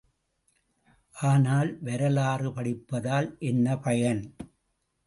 ஆனால், வரலாறு படிப்பதால் என்ன பயன்?